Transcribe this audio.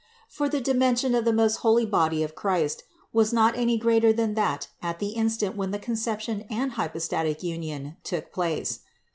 For the dimension of the most holy body of Christ was not any greater than that at the instant when the conception and hypostatic union took place.